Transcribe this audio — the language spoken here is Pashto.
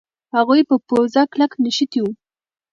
هغوی په پوزه کلک نښتي وو.